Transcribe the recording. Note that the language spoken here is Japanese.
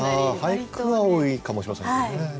俳句は多いかもしれませんね。